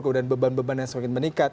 kemudian beban beban yang semakin meningkat